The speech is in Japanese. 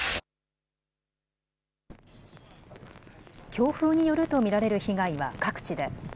強風によると見られる被害は各地で。